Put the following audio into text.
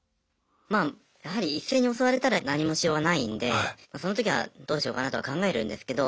まあやはり一斉に襲われたら何もしようがないんでそのときはどうしようかなとは考えるんですけど。